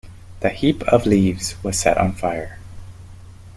The heap of fallen leaves was set on fire.